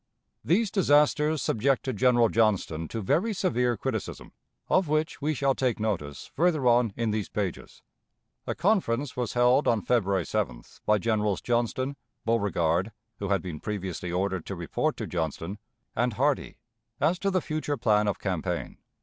These disasters subjected General Johnston to very severe criticism, of which we shall take notice further on in these pages. A conference was held on February 7th by Generals Johnston, Beauregard (who had been previously ordered to report to Johnston), and Hardee, as to the future plan of campaign.